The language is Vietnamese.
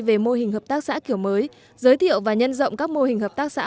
về mô hình hợp tác xã kiểu mới giới thiệu và nhân rộng các mô hình hợp tác xã